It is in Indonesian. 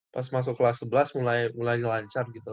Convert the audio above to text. pas masuk kelas sebelas mulai lancar gitu